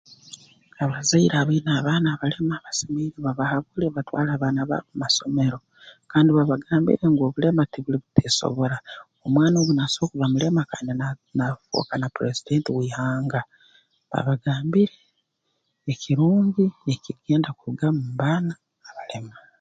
Abazaire abaine abaana abalema basemeriire babahabule batwale abaana baabo mu masomero kandi babagambire ngu obulema tubuli buteesobora omwana ogu nasobora kuba mulema kandi naa naafooka na purreezidenti w'ihanga babagambire ekirungi ekirukugenda kurugamu mu baana abalema